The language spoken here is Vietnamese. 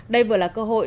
đây vừa là cơ hội